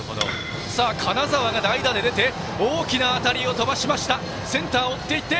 金澤が代打で出て大きな当たりを飛ばしました！